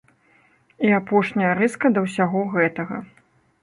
І апошняя рыска да ўсяго гэтага.